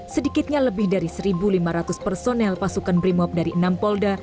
sedikitnya lebih dari satu lima ratus personel pasukan brimop dari enam polda